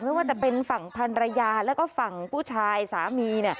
ไม่ว่าจะเป็นฝั่งพันรยาแล้วก็ฝั่งผู้ชายสามี